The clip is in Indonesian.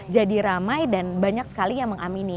jadi ramai dan banyak sekali yang mengamini